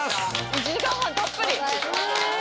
１時間半たっぷり！